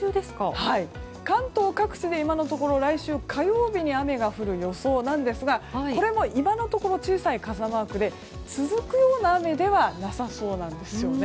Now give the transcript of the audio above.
関東各地で今のところ来週火曜日に雨が降る予想なんですがこれも今のところ小さい傘マークで続くような雨ではなさそうです。